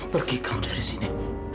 pergi kamu dari sini